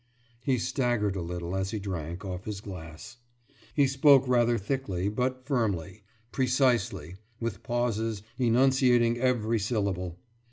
« He staggered a little as he drank off his glass. He spoke rather thickly, but firmly, precisely, with pauses, enunciating every syllable.